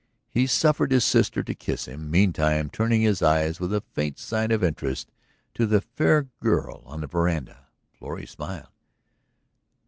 He suffered his sister to kiss him, meantime turning his eyes with a faint sign of interest to the fair girl on the veranda. Florrie smiled.